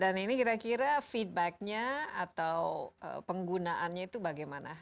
dan ini kira kira feedbacknya atau penggunaannya itu bagaimana